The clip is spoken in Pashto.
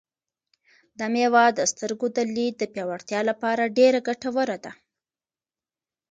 دا مېوه د سترګو د لید د پیاوړتیا لپاره ډېره ګټوره ده.